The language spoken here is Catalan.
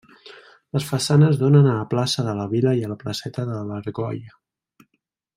Les façanes donen a la plaça de la Vila i a la placeta de l'Argolla.